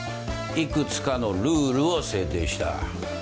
いくつかのルールを制定した。